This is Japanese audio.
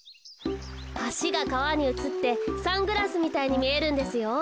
はしがかわにうつってサングラスみたいにみえるんですよ。